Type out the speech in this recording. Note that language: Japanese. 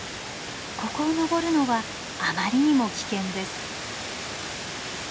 ここを登るのはあまりにも危険です。